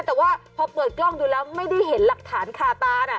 แต่ว่าพอเปิดกล้องดูแล้วไม่ได้เห็นหลักฐานคาตานะ